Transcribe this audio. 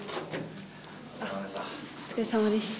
お疲れさまでした。